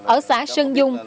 ở xã sơn dung